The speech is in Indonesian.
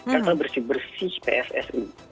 kata bersih bersih pssi